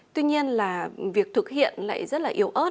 tuy nhiên là việc thực hiện lại rất là yếu ớt